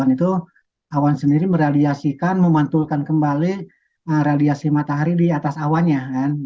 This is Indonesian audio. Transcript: suhu di indonesia akan memantulkan kembali radiasi matahari di atas awannya